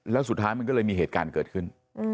แล้วสุดท้ายมันก็เลยมีเหตุการณ์เกิดขึ้น